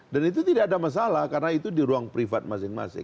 dan itu tidak ada masalah karena itu di ruang privat masing masing